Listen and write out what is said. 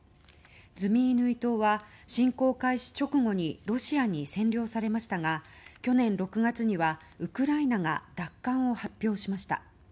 ズミイヌイ島は、侵攻開始直後にロシアに占領されましたが去年６月にはウクライナが奪還を発表しました。